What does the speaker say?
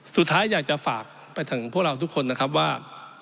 สุดท้ายอยากจะฝากไปถึงพวกเราทุกคนนะครับว่า